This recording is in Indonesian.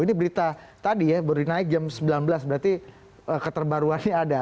ini berita tadi ya baru dinaik jam sembilan belas berarti keterbaruannya ada